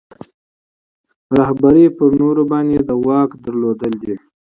رهبري په نورو باندې د نفوذ درلودل دي.